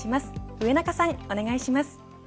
上中さん、お願いします。